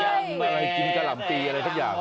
อะไรกินกะลำปีอะไรทักอย่าง